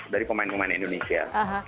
dari pemain pemain indonesia